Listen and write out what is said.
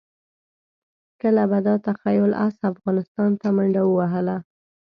کله به د تخیل اس افغانستان ته منډه ووهله.